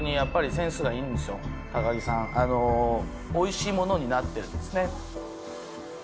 木さんおいしいものになってるんですね